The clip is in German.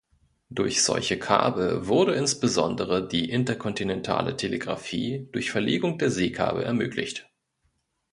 Durch solche Kabel wurde insbesondere die interkontinentale Telegrafie durch Verlegung der Seekabel ermöglicht.